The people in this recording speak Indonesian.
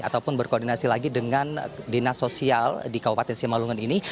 ataupun berkoordinasi lagi dengan dinas sosial di kabupaten simalungun ini